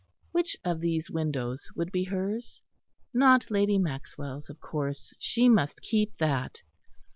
Which of these windows would be hers? Not Lady Maxwell's, of course; she must keep that....